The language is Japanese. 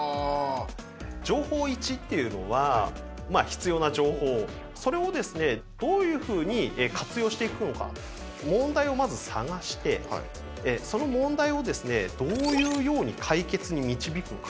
「情報Ⅰ」っていうのはまあ必要な情報それをですねどういうふうに活用していくのか問題をまず探してその問題をですねどういうように解決に導くのか。